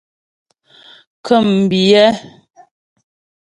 Ŋkə̂mbiyɛ́.